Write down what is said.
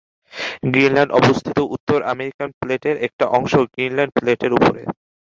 Greenland অবস্থিত উত্তর American প্লেটের একটা অংশ গ্রীনল্যান্ড প্লেটের উপরে।